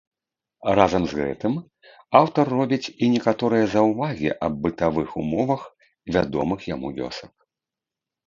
Разам з гэтым аўтар робіць і некаторыя заўвагі аб бытавых умовах вядомых яму вёсак.